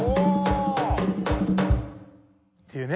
っていうね。